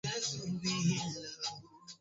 Kongolomwanza iliumbiwaka siku ya mwisho wa garika